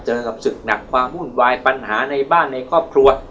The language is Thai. เจอกับศึกหนักความวุ่นวายปัญหาในบ้านในครอบครัว